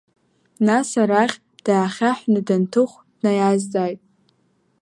Нас арахь даахьаҳәны Данҭыхә днаиазҵааит.